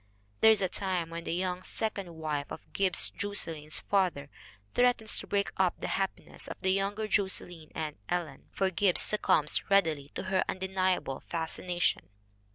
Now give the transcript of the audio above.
There is a time when the young second wife of Gibbs Jos selyn's father threatens to break up the happiness of the younger Josselyn and Ellen, for Gibbs succumbs readily to her undeniable fascination.